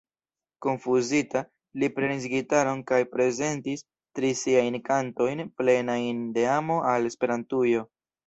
Konfuzita, li prenis gitaron kaj prezentis tri siajn kantojn plenajn de amo al Esperantujo.